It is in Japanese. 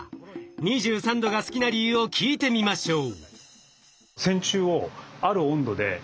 ２３℃が好きな理由を聞いてみましょう。